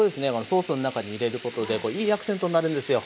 ソースの中に入れることでいいアクセントになるんですよ。